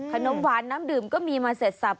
ขนมหวานน้ำดื่มก็มีมาเสร็จสับ